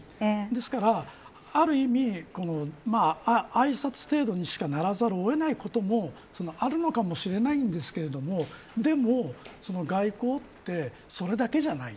ですから、ある意味あいさつ程度にしかならざるを得ないこともあるのかもしれないんですがでも、外交ってそれだけじゃない。